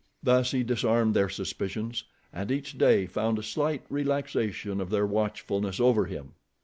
Thus he disarmed their suspicions, and each day found a slight relaxation of their watchfulness over him.